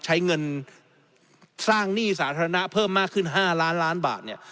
ใช้เงินสร้างหนี้สาธารณะเพิ่มมากขึ้น๕ล้านล้านบาทเนี่ย